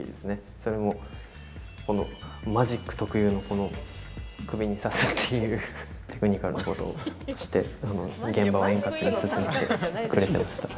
それもマジック特有のこの首に刺すっていうテクニカルなことをして現場を円滑に進めてくれてました。